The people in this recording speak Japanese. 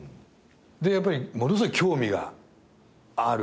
でやっぱりものすごい興味があるわけですよ。